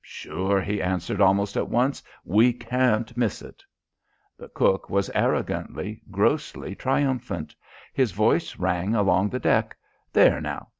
"Sure," he answered almost at once. "We can't miss it." The cook was arrogantly, grossly triumphant. His voice rang along the deck. "There, now!